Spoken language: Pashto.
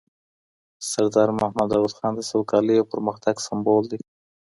سردار محمد داود خان د سوکالۍ او پرمختګ سمبول دی.